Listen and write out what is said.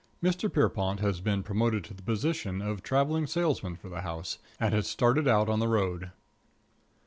|| Mr. Pierrepont has been || promoted to the position || of traveling salesman || for the house, and has || started out on the road.